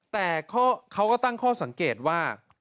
แต่เขาก็ตั้งข้อสังเกตว่า